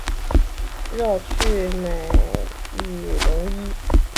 绕去买羽绒衣